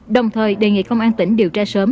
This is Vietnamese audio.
đồng thời đề nghị công an tỉnh điều tra sớm